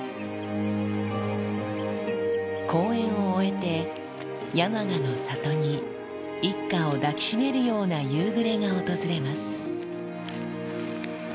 公演を終えて、山鹿の里に、一家を抱きしめるような夕暮れが訪れます。